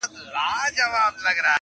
یو یار مي ته یې شل مي نور نیولي دینه-